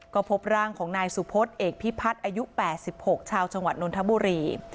ก็พบร่างของนายสุพศเอกพิพัฒน์อายุ๘๖ชาวจังหวัดนนทบุรี